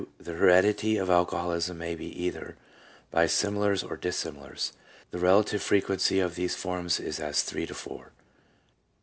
The heredity of alcoholism may be either by similars or dissimilars. The relative frequency of these forms is as three to four.